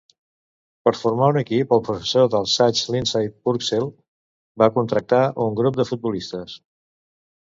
Per formar un equip, el professor d'Alsager Lindsay Purcell va contractar un grup de futbolistes.